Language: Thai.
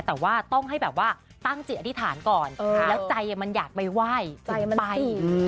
แต่ว่าต้องให้แบบว่าตั้งจิตอธิษฐานก่อนแล้วใจมันอยากไปไหว้ไป